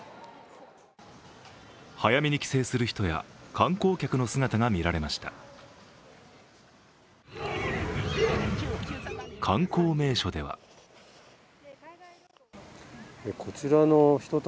早めに帰省する人や観光客の姿が見られました。